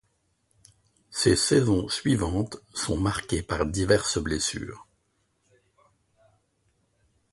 Ses saisons suivantes sont marquées par diverses blessures.